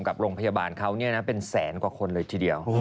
กับโรงพยาบาลเขาเป็นแสนกว่าคนเลยทีเดียว